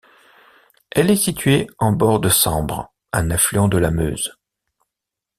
Elle est située en bord de Sambre, un affluent de la Meuse.